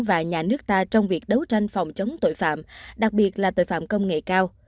và nhà nước ta trong việc đấu tranh phòng chống tội phạm đặc biệt là tội phạm công nghệ cao